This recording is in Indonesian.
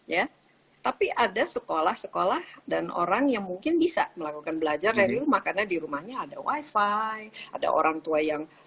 ya tapi ada sekolah sekolah dan orang yang mungkin bisa melakukan belajar dari rumah karena di rumahnya ada wifi ada orang tua yang